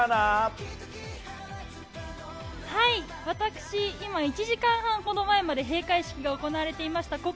私、今１時間半ほど前まで閉会式が行われていました